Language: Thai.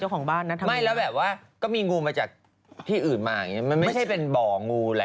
เขามีเด็กนะ